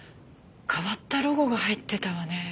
変わったロゴが入ってたわね。